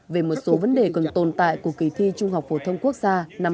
về một số vấn đề cần tồn tại của kỳ thi trung học của thống quốc gia